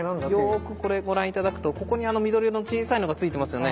よくこれご覧頂くとここに緑色の小さいのが付いてますよね。